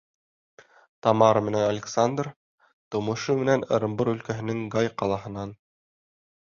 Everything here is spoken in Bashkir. Тамара менән Александр тыумышы менән Ырымбур өлкәһенең Гай ҡалаһынан.